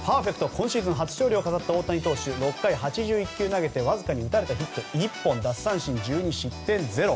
今シーズン初勝利を飾った大谷投手６回８１球を投げてわずかに打たれたヒット１本奪三振１２、失点０。